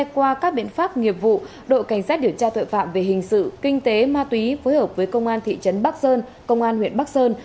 qua các biện pháp nghiệp vụ đội cảnh sát điều tra tội phạm về hình sự kinh tế ma túy phối hợp với công an thị trấn bắc sơn công an huyện bắc sơn